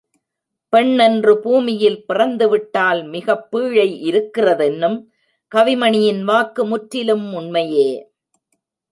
பெண்ணென்று பூமியில் பிறந்துவிட்டால் மிகப் பீழை இருக்கிறதென்னும் கவிமணியின் வாக்கு முற்றிலும் உண்மையே!